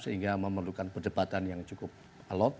sehingga memerlukan perdebatan yang cukup alot